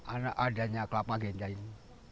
anak adanya kelapa ganja ini